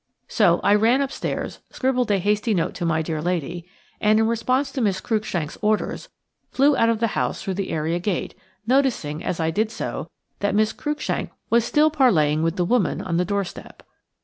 So I ran upstairs, scribbled a hasty note to my dear lady, and, in response to Miss Cruikshank's orders, flew out of the house through the area gate, noticing, as I did so, that Miss Cruikshank was still parleying with the woman on the doorstep.